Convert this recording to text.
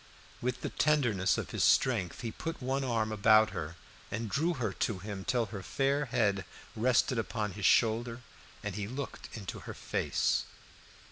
With the tenderness of his strength he put one arm about her, and drew her to him till her fair head rested upon his shoulder, and he looked into her face.